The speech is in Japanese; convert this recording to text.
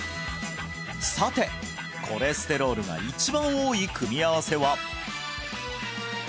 さてコレステロールが一番多い組み合わせは？